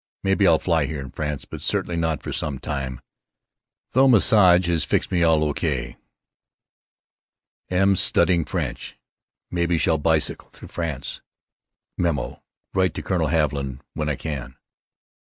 Maybe I'll fly here in France but certainly not for some time, though massage has fixed me all O.K. Am studying French. Maybe shall bicycle thru France. Mem.: Write to Colonel Haviland when I can.